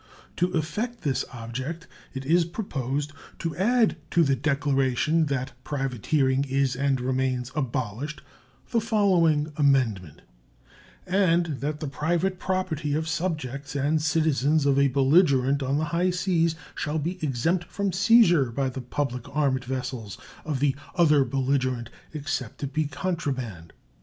To effect this object, it is proposed to add to the declaration that "privateering is and remains abolished" the following amendment: And that the private property of subjects and citizens of a belligerent on the high seas shall be exempt from seizure by the public armed vessels of the other belligerent, except it be contraband.